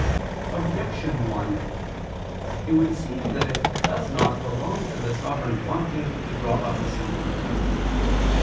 Objection 1: It would seem that it does not belong to the Sovereign Pontiff to draw up a symbol of faith.